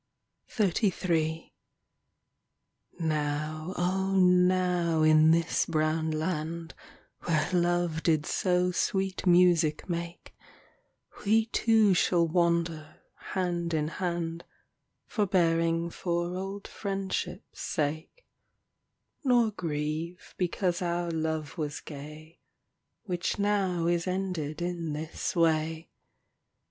XXXIII Now, O now, in this brown land Where Love did so sweet music make We two shall wander, hand in hand, Forbearing for old friendship' sake, Nor grieve because our love was gay Which now is ended in this way.